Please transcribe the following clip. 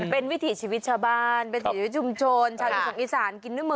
เป็นวิถีชีวิตชะบาลจุมโจรชาวอีสานกินน่ะ